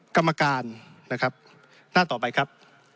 กรรมการนะครับหน้าต่อไปครับ